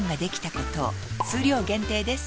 数量限定です